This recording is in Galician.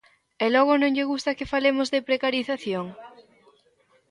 ¡É logo non lle gusta que falemos de precarización!